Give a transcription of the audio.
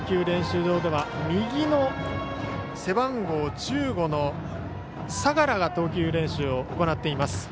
練習場では右の背番号１５の相良が投球練習を行っています。